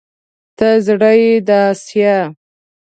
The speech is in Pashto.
ته زړه يې د اسيا